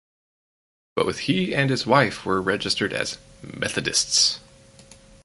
Both he and his wife were registered as Methodists.